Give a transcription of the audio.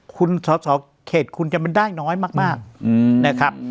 คุณสอสอเขตคุณจะมันได้น้อยมากนะครับ